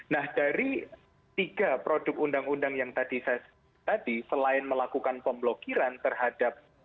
nah dari tiga produk undang undang yang tadi saya tadi selain melakukan pemblokiran terhadap